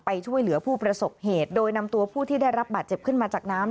ช่วยเหลือผู้ประสบเหตุโดยนำตัวผู้ที่ได้รับบาดเจ็บขึ้นมาจากน้ำ